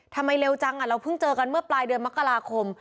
ทำไมเร็วจังเราเพิ่งเจอกันเมื่อปลายเดือนมกราคม